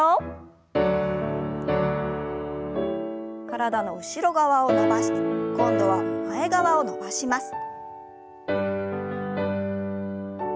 体の後ろ側を伸ばして今度は前側を伸ばします。